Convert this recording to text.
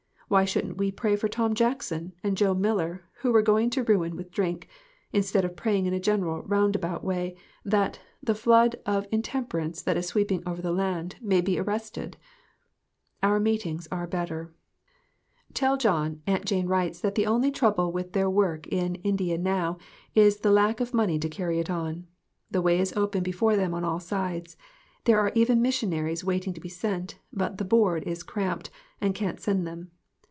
Why shouldn't we pray for Tom Jackson and Joe Miller, who were going to ruin with drink, instead of praying in a general, roundabout way, that "the flood of intern 38 GOOD BREAD AND GOOD MEETINGS. perance that is sweeping over the land may be arrested "? Our meetings are better. Tell John Aunt Jane writes that the only trouble with their work in India now is the lack of money to carry it on. The way is open before them on all sides. There are even missionaries waiting to be sent, but the "Board" is cramped, and can't send them.